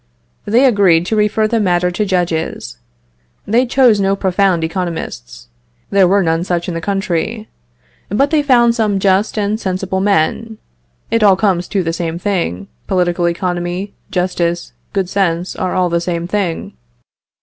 They agreed to refer the matter to judges. They chose no profound economists there were none such in the country. But they found some just and sensible men; it all comes to the same thing: political economy, justice, good sense, are all the same thing.